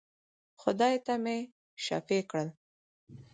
خدای ته مي شفېع کړل.